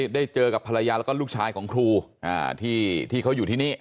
ได้เจอกับภรรยาแล้วก็ลูกชายของครูที่เขาอยู่ที่นี่